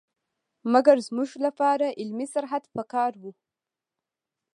مګر زموږ لپاره علمي سرحد په کار وو.